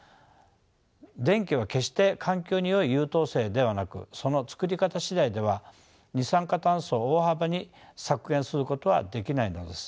電気は決して環境によい優等生ではなくその作り方次第では二酸化炭素を大幅に削減することはできないのです。